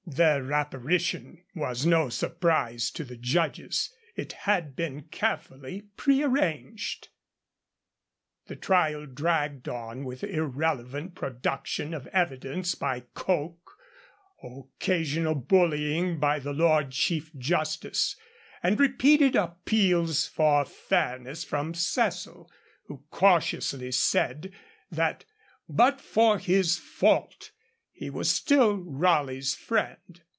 Their apparition was no surprise to the judges; it had been carefully prearranged. The trial dragged on with irrelevant production of evidence by Coke, occasional bullying by the Lord Chief Justice, and repeated appeals for fairness from Cecil, who cautiously said that 'but for his fault,' he was still Raleigh's friend.